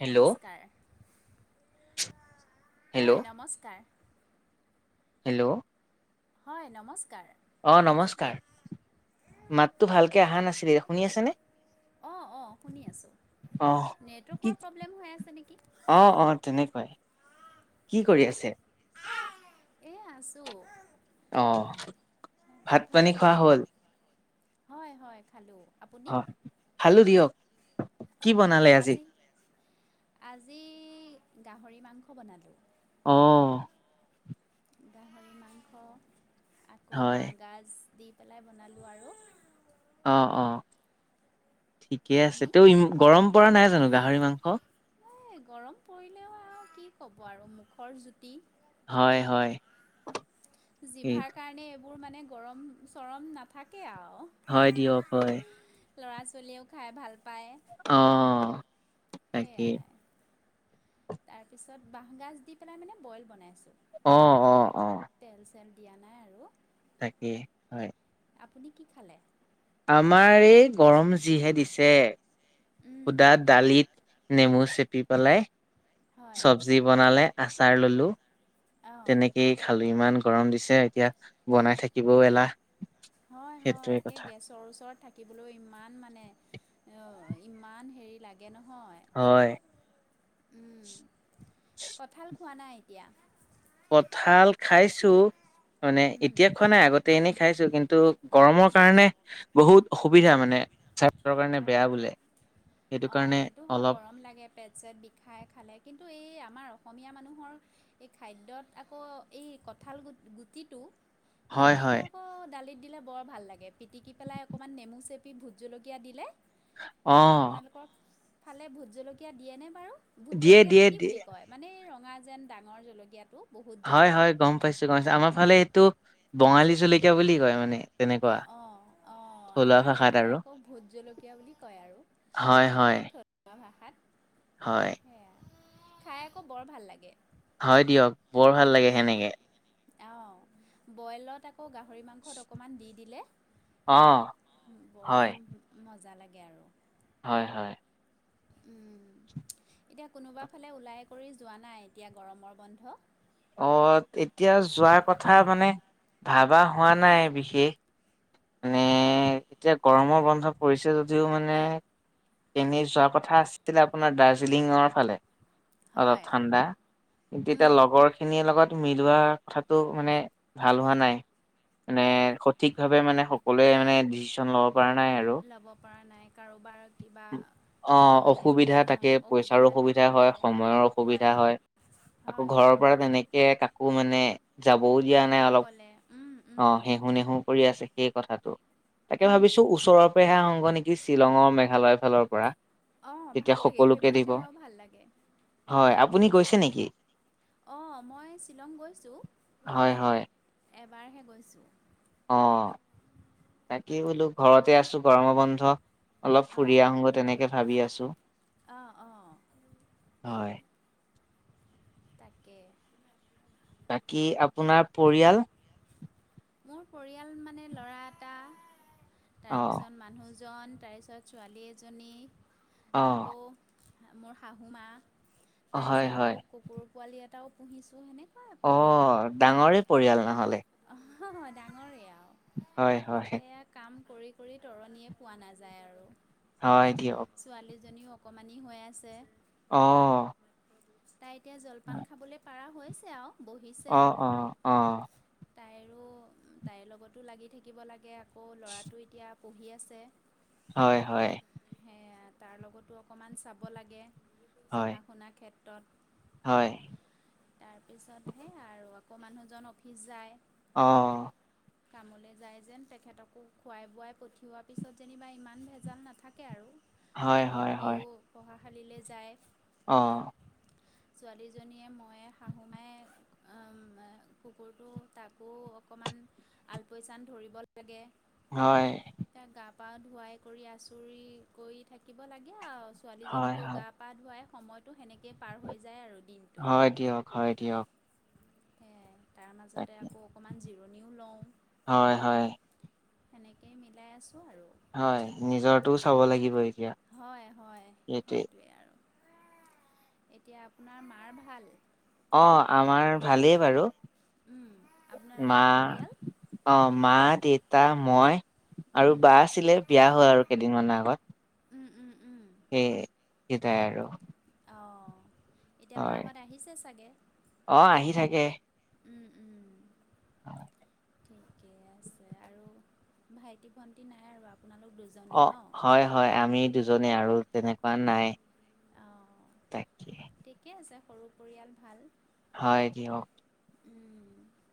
Hello নমস্কাৰ। Hello হয়, নমস্কাৰ। হেল্ল'। হয়, নমস্কাৰ। অহ, নমস্কাৰ। মাতটো ভালকে অহা নাছিলে, শুনি আছেনে? অহ', অহ' শুনি আছোঁ। অ নেটৱৰ্কৰ প্ৰব্লেম হৈ আছে নেকি? অহ', অহ' তেনেকুৱাই। কি কৰি আছে? এয়া আছোঁ। অ ভাত পানী খোৱা খালে? হ'ল হয়, হয়, খালোঁ। আপুনি অ, খালোঁ দিয়ক। কি বনালে অহ' আজি, আজি গাহৰি মাংস বনালোঁ। অহ। গাহৰি মাংস আকৌ, হয় বাঁহগাজ দি পেলাই বনালোঁ আৰু। অহ', অহ' ঠিকেই আছে। আপুনি ত' গৰম পৰা নাই জানোঁ গাহৰি মাংস। এই গৰম পৰিলেও আৰু কি ক'ব আৰু মুখৰ জুতি। হয়, হয়। সেই জিভাৰ কাৰণে এইবোৰ মানে গৰম-চৰম নাথাকে আৰু। হয়, দিয়ক হয়। ল'ৰা-ছোৱালীয়েও খাই ভাল পায়। অহ। সেইয়াই। তাৰপিছত বাঁহগাজ দি পেলাই মানে বইল বনাইছোঁ। অহ', অহ'। অহ', অহ'। তেল-চেল দিয়া নাই আৰু। তাকে, হয়। আপুনি কি খালে? আমাৰ এই গৰম যিহে দিছে, উম সুধা দালিত নেমু চেপি পেলাই, হয় চব্জি বনালে আচাৰ ললোঁ। অঁ তেনেকেই খালোঁ। ইমান গৰম দিছে এতিয়া বনাই থাকিবও এলাহ। হয়, হয়। সেইটোৱে একে কথা গেছৰ ওচৰত থাকি থাকিবলৈ ইমান মানে, ইমান হেৰি লাগে নহয়। হয়। উম, কঁঠাল খোৱা নাই এতিয়া? কঁঠাল খাইছোঁ, মানে উম এতিয়া খোৱা নাই আগতে তেনেই খাইছোঁ কিন্তু, গৰমৰ কাৰণে বহুত অসুবিধা মানে, স্বাস্থ্যৰ কাৰণে হয় বেয়া বোলে। সেইটো কাৰণে অলপ পেট-চেট বিষাই খালে, কিন্তু এই আমাৰ অসমীয়া মানুহৰ এই খাদ্যত আকৌ এই কঁঠাল গু-গুটিটো হয় গুটিটো হয় আকৌ দালিত দিলে বৰ ভাল লাগে। পিটিকি পেলাই অকণমান নেমু চেপি ভোট জলকীয়া দিলে, অ আপোনালোকৰ ফালে ভোট জলকীয়া দিয়েনে বাৰু? ভোট দিয়ে জলকীয়াটো দিয়ে কি দিয়ে বুলি কয়? মানে এই ৰঙা যেন ডাঙৰ জলকীয়াটো। বহুত হয়, জ্বলা হয়। গম পাইছোঁ, গম পাইছোঁ। আমাৰ ফালে এইটো বঙালী জলকীয়া বুলি কয় মানে। তেনেকুৱা অহ', অহ', অহ'। থলুৱা আমাৰ ভাষাত এইফালে আৰু আকৌ ভোট জলকীয়া বুলি কয় আৰু। হয়, হয়। থলুৱা ভাষাত। হয়। সেয়া, খাই আকৌ বৰ ভাল লাগে। হয় দিয়ক, বৰ ভাল লাগে সেনেকে। অহ, বইলত আকৌ আকৌ গাহৰি মাংসত অকণমান দি দিলে, অ', সেইয়াও হয়, বৰ মজা লাগে আৰু হয় হয় এতিয়া কোনোবা ফালে ওলাই কৰি যোৱা নাই এতিয়া গৰমৰ বন্ধ অ এতিয়া যোৱা কথা মানে ভাবা হোৱা নাই বিশেষ মানে এতিয়া গৰমৰ বন্ধ পৰিছে যদিও মানে কেনেই যোৱা কথা আছিলে আপোনাৰ দাৰ্জিলিঙৰ ফালে অলপ হয়। ঠাণ্ডা কিন্তু এতিয়া উম। লগৰ খিনিৰ লগত মিলোৱা কথাটো মানে ভাল হোৱা নাই মানে হয়। সঠিকভাৱে মানে সকলোৱে মানে ডিচিশন লওক পৰা নাই আৰু ল'ব পৰা নাই কাৰোবাৰ কিবা অ মানে অসুবিধা থাকে পইচাৰো অসুবিধা থাকিব হয় পাৰে। সময়ৰ অসুবিধা হয় আকৌ হয়, ঘৰৰ হয়, পৰা হয়। তেনেকে কাকো মানে যাবও দিয়া নাই অলপ অকলে উম, অ উম, হেহু নেহু কৰি আছে সেই কথাটো তাকে উম, ভাবিছো ওচৰৰ পেহে সংগ নেকি শ্বিলঙৰ মেঘালয়ৰ ফালৰ পৰা অ তেতিয়া ভাল লাগে সকলোকে সেইবোৰ দিব জেগাও ভাল লাগে হয় আপুনি গৈছে নেকি অ মই শ্বিলং গৈছোঁ হয় হয় এবাৰহে গৈছোঁ অ তাকেই বোলো ঘৰতে আছোঁ গৰম বন্ধ অলপ ফুৰি অ'। আহোঁগ তেনেকে ভাবি আছোঁ অ', অ' হয় তাকে বাকী আপোনাৰ পৰিয়াল মোৰ পৰিয়াল মানে ল'ৰা এটা অ তাৰপিছত মানুহজন তাৰপিছত ছোৱালী এজনী অ আকৌ মোৰ শাহু মা হয় তাৰপিছত হয় আকৌ কুকুৰ পোৱালি এটাও পুহিছোঁ হেনে অ ডাঙৰে পৰিয়াল নহ'লে অ ডাঙৰে আৰু হয় হয় সয়া কাম কৰি কৰি তৰণীয়ে পোৱা নাযায় আৰু হয় দিয়ক ছোৱালীজনীও অকণমানেই হৈ আছে অ তাই এতিয়া জলপান খাবলৈ পৰা হৈছে আৰু বহিছে অ অ অ তাইৰো তাইৰ লগতো লাগি থাকিব লাগে আকৌ ল'ৰাটো এতিয়া পঢ়ি আছে হয় হয় সে তাৰ লগতো অকণমান চাব হয় হয় তাৰপিছতহে আৰু আকৌ মানুহজন অফিচ যায় অঁ কামলৈ যায় যেন তেখেতকো খোৱাই বোৱাই পঠিওৱা পিছত যেনিবা ইমান ভেজাল নাথাকে আৰু হয়, আৰু হয়, সিও পঢ়াশালীলে যায় অঁ ছোৱালীজনীয়ে মই শাহুমাই কুকুৰটো তাক [unintelligible] আকৌ অকণমান আলপৈচান ধৰিব লাগে হয় এতিয়া গা পা ধুৱাই কৰি আচুৰি কৰি থাকিব লাগে আৰু হয়, ছোৱালীজনীকো গা হয়, পা ধুৱাই সময়টো সেনেকে পাৰ হৈ যায় আৰু দিনটো হয় দিয়ক, হয় দিয়ক। সেয়াই তাৰ মাজতে তাকে, আকৌ অকণমান জিৰণিও লওঁ হয়, হয়, সেনেকেই মিলাই আছোঁ আৰু হয় নিজটোও চাব লাগিব এতিয়া হয় হয় সেইটোৱে। সেইটোৱেই আৰু এতিয়া আপোনাৰ মাৰ ভাল অঁ আমাৰ ভালেই বাৰু উম, মা আপোনালোকৰ পৰিয়াল? অ মা দেউতা মই আৰু উম, বা আছিলে বিয়া হ'ল আৰু কেইদিনমানৰ আগত উম উম উম সেই সটাই আৰু অঁ এতিয়া হয়, বাঁহত আহিছে চাগে অ আহি থাকে উম উম অ ঠিকে আছে আৰু ভাইটি ভণ্টি নাই আৰু আপনালক অ হয় হয় আমি দুজনে আৰু তেনেকুৱা নাই অঁ, ত ঠিকেই আছে সৰু পৰিয়াল ভাল হয় দিয়ক উম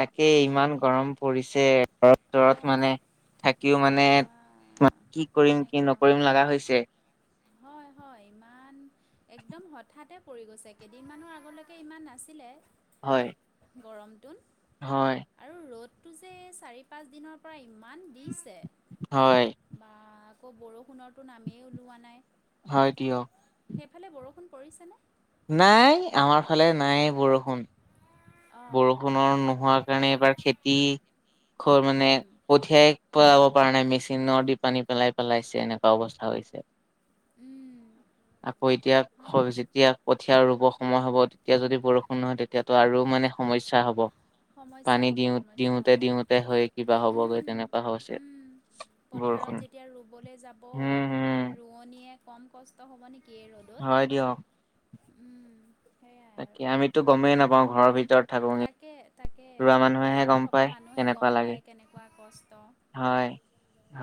তাকে সেয়া ইমান এতিয়া গৰম পৰিছে তৰত অঁ মানে থ কিয় মানে বা কি কৰিম কি কেনেকুৱা নকৰিম লগা হৈছে হয় হয় ইমান একদম হঠাতে পৰি গৈছে কেইদিনমানৰ আগলৈকে ইমান নাছিলে হয় গৰমটো হয় আৰু ৰ'দটো যে চাৰি পাঁচ দিনৰ পৰা ইমান দিছে হয় বা আকৌ বৰষুণৰটো নামেই ওলোৱা নাই হয় দিয়ক সেইফালে বৰষুণ পৰিছেনে? নাই আমাৰ ফালে নাই বৰষুণ অঁ বৰষুণৰ নোহোৱাৰ কাৰণে এইবাৰ খেতি মানে উম কঠিয়াই পেলাব পৰা নাই মেচিনৰ দি পানী পেলাই পেলাইছে এনেকুৱা অৱস্থা হৈছে উম আকৌ হয় এতিয়া যেতিয়া। কঠীয়া ৰুব সময় হ'ব তেতিয়া যদি বৰষুণ নহয় তেতিয়াতো আৰু মানে সমস্যা হ'ব। সমস্যা পানী হ'ব দিওঁ সমস্যা দিওঁতে হ'ব। দিওঁতে হৈ কিবা হ'বগৈ তেনেকুৱা হৈছে পথাৰত বৰষুণ যেতিয়া ৰুবলে যাব উম ৰু হম ৰুণীয়ে কম কষ্ট হ'ব নেকি এই ৰ'দত হয় দিয়ক উম সেয়াই। আৰু তাকে আমিতো গমেই নাপাওঁ। ঘৰৰ ভিতৰত থাকোঁ তাকে তাকে ৰোৱা মানুহেহে পথাৰত গম থকা পায় মানুহে গম কেনেকুৱা লাগে। পায় কেনেকুৱা কষ্ট হয়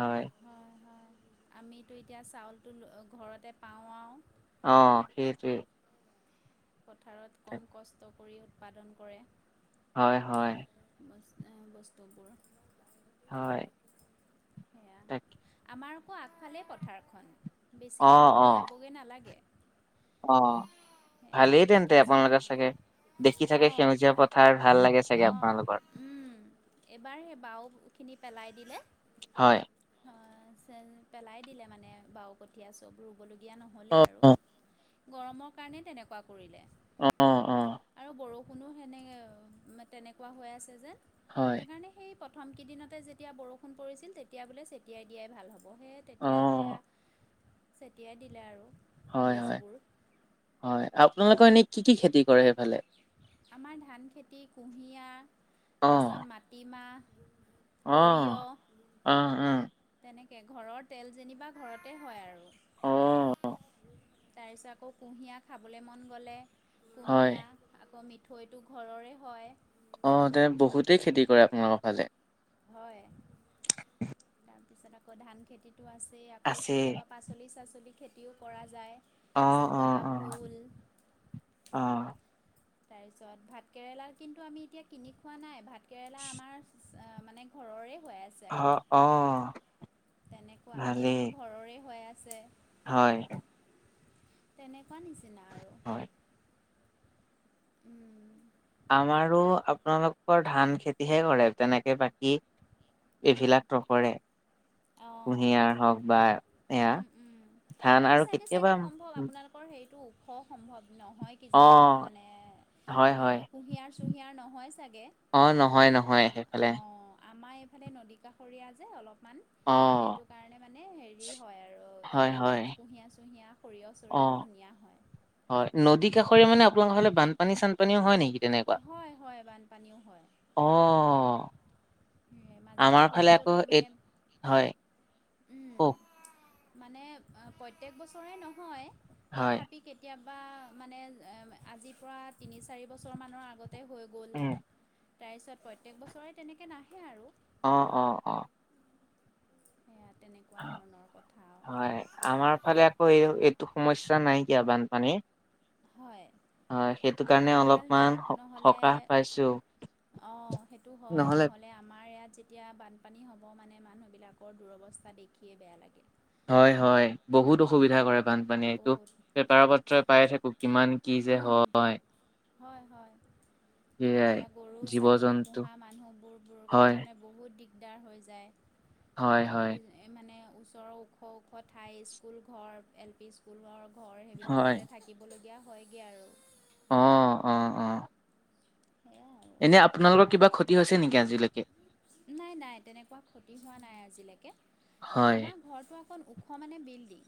হয়। হয় হয় আমিতো এতিয়া চাউলটো ঘৰতে পাওঁ আৰু। অ সেইটোৱে। পথাৰত কম কষ্ট কৰি উৎপাদন কৰে। হয় হয়। বস্তুবোৰ। হয়। সেয়া তাকে আমাৰ আকৌ আগফালে পথাৰখন বেছি অ অ দূৰলৈ যাবগৈ নালাগে। অ সেয়া ভালেই তেন্তে কঠীয়াছে আপোনালোকে চাগে দেখি থাকে অঁ। সেউজীয়া পথাৰ ভাল লাগে। চাগে অঁ আপোনালোকৰ উম এইবাৰ সেই বাওখিনি পেলাই দিলে। হয়। অ চে পেলাই দিলে মানে বাও কঠী। কঠীয়া চব ৰুবলগীয়া অ নহ'লে আৰু অ গৰমৰ কাৰণে তেনেকুৱা কৰিলে। অ', অ'। আৰু বৰষুণও সেনে তেনেকুৱা হৈ আছে যেন হয় সেইকাৰণে সেই প্ৰথম কেইদিনতে যেতিয়া বৰষুণ পৰিছিল তেতিয়া বোলে ছেটিয়াই দিয়াই ভাল হ'ব। পহে অ তেতিয়া সেয়া ছেটিয়াই দিলে আৰু হয়, হয়, বীজবোৰ হয় আপোনালোকৰ এনেই কি, কি খেতি কৰে সেইফালে। আমাৰ ধান খেতি কুঁহিয়া অ তাৰপিছত মাটিমাহ অ', অ', উম। তেনেকে ঘৰৰ তেল যেনিবা ঘৰতে হয় আৰু। অ'। তাৰপিছত আকৌ কুঁহিয়া খাবলৈ মন গ'লে হয় কুঁহিয়া আকৌ মিঠৈটো ঘৰৰে হয়। অ', বহুতেই খেতি কৰে আপোনালোকৰ ফালে। হয়, তাৰপিছত আকৌ ধান খেতিটো আছেই আকৌ আছে কেতিয়াবা পাচলি চাচলি খেতিও কৰা যায় অ অ জিকা অ ভোল। অ'। তাৰপিছত ভাতকেৰেলা কিন্তু আমি এতিয়া কিনি খোৱা নাই ভাতকেৰেলা আমাৰ অ', মানে ঘৰৰে হৈ আছে। অ অ আৰু তেনেকুৱা ভালেই নেমু ঘৰৰে হৈ আছে। হয়। তেনেকুৱা নিচিনা আৰু হয় উম। আমাৰো আপোনালোক ধান খেতিহে কৰে তেনেকে বাকী উম এইবিলাক নকৰে। অঁ কুঁহিয়াৰ হওক বা উম উম এয়া ধান আৰু চাইডে চাগে কেতিয়াবা সম্ভৱ আপোনালোকৰ সেইটো ওখ সম্ভৱ নহয় অ কিজানি মানে হয় এ হয় কুঁহিয়াৰ চুহিয়াৰ নহয় চাগে অ নহয় নহয় আহ সেইফালে অ', আমাৰ ইফালে নদী কাষৰীয়া যে অলপমান অ সেইটো কাৰণে মানে হেৰি হয় আৰু হয় হয় এইবিলাক কুঁহিয়া চুহিয়া সৰিয়হ অ চৰিয়হ ধুনীয়া হয়। হয় নদী কাষৰে মানে আপোনালোকৰ হ'লে বানপানী চানপানীও হয় নেকি? তেনেকুৱা হয়, হয় বানপানীও হয়। অ'। মাজতে আমাৰ হৈ ফালে গ'ল আকৌ এই মানে। হয়। কওক মানে প্ৰত্যেক বছৰে নহয় হয় তথাপি কেতিয়াবা মানে আজিৰ পৰা তিনি চাৰি বছৰমানৰ আগত ততে হৈ গ'ল উম তাৰপিছত প্ৰত্যেক বছৰে তেনেকৈ নাহে আৰু অ', অ', অ'। সেয়া তেনেকুৱা ধৰণৰ কথা আৰু হয় আমাৰ ফালে আকৌ এই এইটো সমস্যা নাইকিয়া বানপানীৰ। হয় হয় সেইটো কাৰণে ভাল অলপমান সকাহ পাইছোঁ। অ', সেইটো হয় নহলে আমাৰ ইয়াত যেতিয়া বানপানী হ'ব মানে মানুহবিলাকৰ দুৰৱস্থা দেখিয়েই বেয়া লাগে। হয়, হয় বহুত অসুবিধা কৰে বানপানীয়ে এইটো বহুত পেপাৰ পত্ৰই পাই থাকো। কিমান কি যে উম হয়। হয়, হয়। সেয়াই এতিয়া গৰু জীৱ ছাগলী জন্তু পোহা মানুহবোৰোৰ হয় কাৰণে বহুত দিগদাৰ হৈ যায়। হয়, হয়। মানে ওচৰৰ ওখ, ওখ ঠাই স্কুল ঘৰ এল পি স্কুলৰ ঘৰ হয় সেইবিলাকতে থাকিবলগীয়া হয়গৈ আৰু। অ', অ', অ'। সেয়া। এনে আপোনালোকৰ কিবা ক্ষতি হৈছে নেকি আজিলৈকে? নাই, নাই তেনেকুৱা ক্ষতি হোৱা নাই আজিলৈকে হয় আমাৰ। ঘৰটো অকণ ওখ মানে বিল্ডিং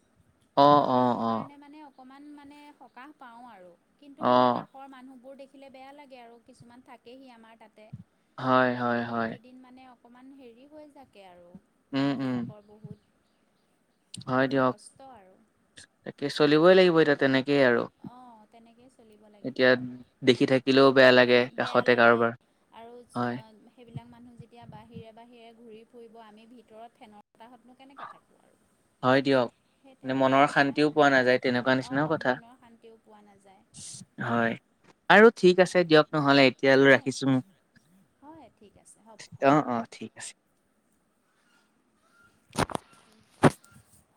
অ অ সেইটো অ কাৰণে মানে। অকণমান মানে সকাহ পাওঁ আৰু, অ কিন্তু সেই কাষ ঘৰ মানুহবোৰ দেখিলে বেয়া লাগে আৰু কিছুমান থাকেহি আমাৰ তাতে। হয়, হয়, হয়। অকমান হেৰি হৈ থাকে আৰু উম মানুৰ উম বিলাকৰ বহুত। হয় দিয়ক, কষ্ট আৰু তাকে চলিবই লাগিব এতিয়া তেনেকেইয়ে আৰু। অঁ তেনেকেই চলিব লাগিব এতিয়া দেখি থাকিলেও বেয়া লাগে বেয়া কাষতে লাগে কাৰোবাৰ। আৰু হয় সেইবিলাক মানুহ যেতিয়া বাহিৰে, বাহিৰে ঘূৰি ফুৰিব আমি ভিতৰত ফেনৰ বতাহতনো কেনেকৈ থাকোঁ। আৰু হয় দিয়ক সেই মানে তেনেকুৱা মনৰ নিচিনা শান্তিও কথা পোৱা আৰু নাযায় তেনেকুৱা নিচিনাও অঁ কথা। মনৰ শান্তিও পোৱা নাযায়। হয় আৰু ঠিক আছে হয় দিয়ক নহ'লে এতিয়ালৈ হয় ৰাখিছোঁ। হয় ঠিক আছে হ'ব, হ'ব। [inaudible] [unintelligible]